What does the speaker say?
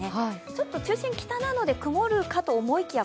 ちょっと中心が北なので曇るかと思いきや